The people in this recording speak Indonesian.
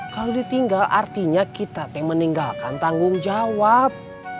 kalau ditinggal artinya kita yang meninggalkan tanggung jawab